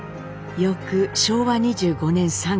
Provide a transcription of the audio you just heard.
翌昭和２５年３月。